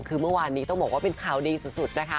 คือเมื่อวานนี้ต้องบอกว่าเป็นข่าวดีสุดนะคะ